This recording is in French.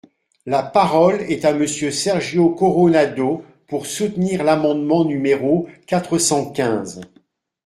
La parole est à Monsieur Sergio Coronado, pour soutenir l’amendement numéro quatre cent quinze.